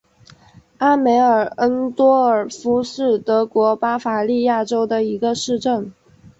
阿梅尔恩多尔夫是德国巴伐利亚州的一个市镇。